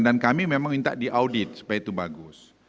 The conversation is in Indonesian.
dan kami memang minta diaudit supaya itu bagus